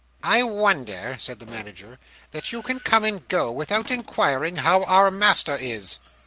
"I wonder," said the Manager, "that you can come and go, without inquiring how our master is".